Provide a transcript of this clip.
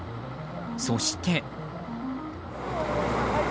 そして。